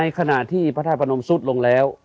ขณะที่พระธาตุพนมสุดลงแล้ว